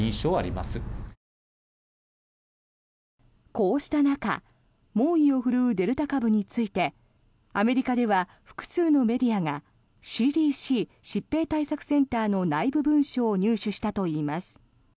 こうした中猛威を振るうデルタ株についてアメリカでは複数のメディアがＣＤＣ・疾病対策センターの内部文書を入手したといいます。